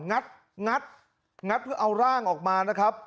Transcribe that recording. งัดงัดเพื่อเอาร่างออกมานะครับ